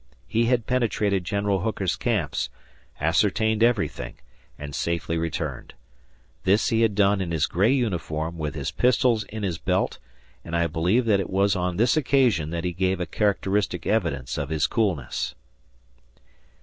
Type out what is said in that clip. He had penetrated General Hooker's camps, ascertained everything, and safely returned. This he had done in his gray uniform with his pistols in his belt, and I believe that it was on this occasion that he gave a characteristic evidence of his coolness.